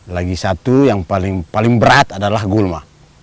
lagi satu yang paling berat adalah gulma